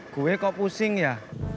gue kok pusing ya